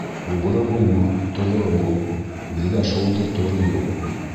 Уғры булма, тоғро бул -Беҙгә шулдыр туры юл.